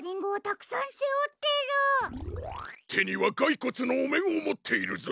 てにはがいこつのおめんをもっているぞ！